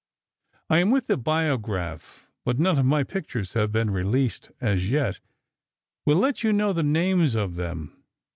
I am with the Biograph, but none of my pictures have been released as yet; will let you know the names of them.